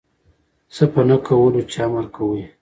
څه په نه کولو چی امر کوی